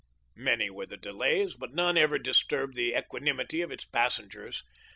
Many were the delays, but none ever disturbed the equanimity of its pas sengers.